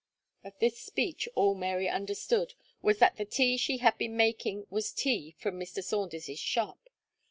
Of this speech, all Mary understood, was that the tea she had been making was tea from Mr. Saunders's shop.